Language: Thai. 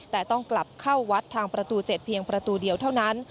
แต่ต้องกลับเข้าวัดทางประตู๗เพียงประตูเดียวเท่านั้น